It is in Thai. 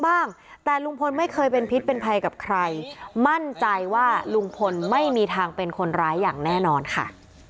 บ้างแต่ลุงพลไม่เคยเป็นพิษเป็นภัยกับใครมั่นใจว่าลุงพลไม่มีทางเป็นคนร้ายอย่างแน่นอนค่ะ